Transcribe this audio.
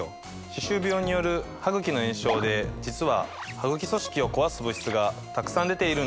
歯周病によるハグキの炎症で実はハグキ組織を壊す物質がたくさん出ているんです。